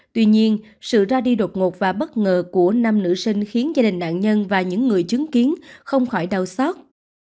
tuy nhiên sự ra đi đột ngột và bất ngờ của nam nữ sinh khiến gia đình nạn nhân và những người chứng kiến không khỏi đau xót